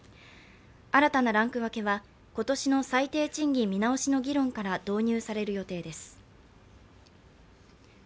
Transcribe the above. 新たなランク分けは、今年の最低賃金見直しの議論から導入される予定です。